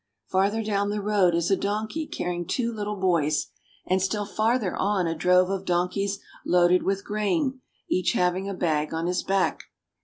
Farther down the road is a donkey carrying two little boys, and still farther on a drove of donkeys loaded with grain, each having a bag on his back.